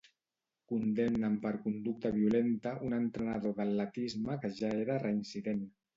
Condemnen per conducta violenta un entrenador d'atletisme que ja era reincident.